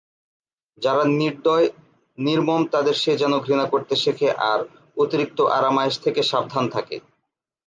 যারা নির্দয়, নির্মম তাদের সে যেন ঘৃণা করতে শেখে আর অতিরিক্ত আরাম-আয়েশ থেকে সাবধান থাকে।